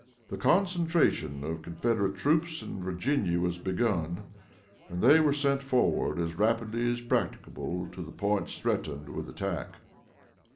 The concentration of Confederate troops in Virginia was begun, and they were sent forward as rapidly as practicable to the points threatened with attack.